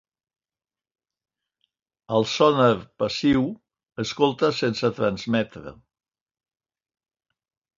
El sonar passiu escolta sense transmetre.